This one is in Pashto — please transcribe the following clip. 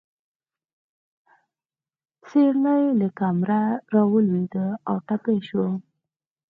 سېرلی له کمره راولوېده او ټپي شو.